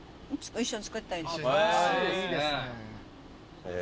一緒に作ったり。